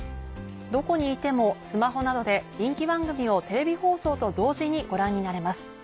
どこにいてもスマホなどで人気番組をテレビ放送と同時にご覧になれます。